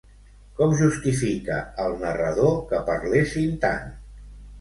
Com justifica el narrador que parlessin tant?